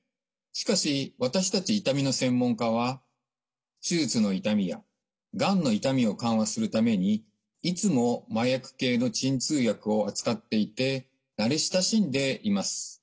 しかし私たち痛みの専門家は手術の痛みやがんの痛みを緩和するためにいつも麻薬系の鎮痛薬を扱っていて慣れ親しんでいます。